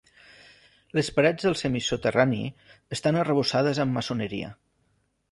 Les parets del semisoterrani estan arrebossades amb maçoneria.